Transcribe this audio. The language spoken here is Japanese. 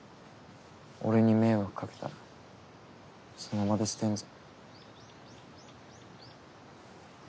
俺に迷惑かけたらその場で捨てんぞ。